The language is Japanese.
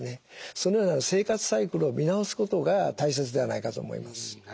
そのような生活サイクルを見直すことが大切ではないかと思います。